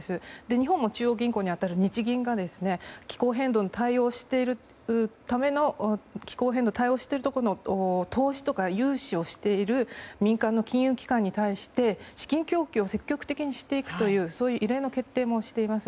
日本も中央銀行に当たる日銀が気候変動に対応しているところに投資とか融資をしている民間の金融機関に対して資金供給を積極的にしていくという異例の決定もしています。